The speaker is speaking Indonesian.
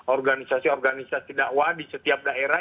organisasi organisasi dakwah di setiap daerah